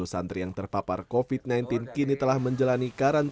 sepuluh santri yang terpapar covid sembilan belas kini telah menjalani karantina